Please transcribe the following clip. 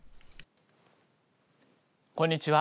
こんにちは。